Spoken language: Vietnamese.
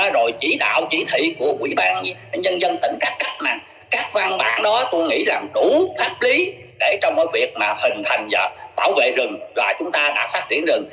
rồi chỉ đạo chỉ thị của quỹ ban nhân dân tỉnh các cấp các văn bản đó tôi nghĩ là đủ pháp lý để trong cái việc mà hình thành và bảo vệ rừng là chúng ta đã phát triển rừng